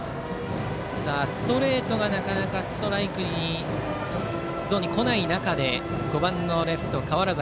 ストレートがなかなかストライクゾーンに来ない中５番のレフト、川原崎。